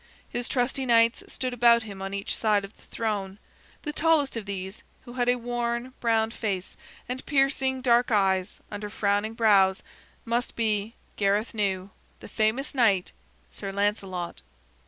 His trusty knights stood about him on each side of the throne. The tallest of these, who had a worn, browned face, and piercing dark eyes, under frowning brows, must be, Gareth knew, the famous knight, Sir Lancelot.